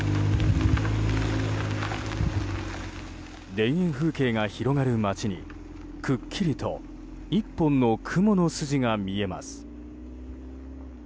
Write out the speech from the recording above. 田園風景が広がる街にくっきりと１本の雲の筋が見えます。